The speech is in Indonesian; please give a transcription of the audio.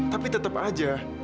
tapi tetap aja